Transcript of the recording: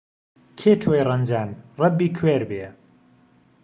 کێ تۆی رهنجان رهبی کوێر بێ